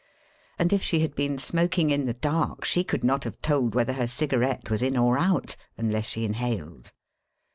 And if she had been smoking in tlie dark she could not have told whether her cigarette was in or out — unless she inhaled.